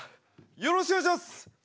よろしくお願いします！